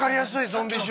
ゾンビ臭。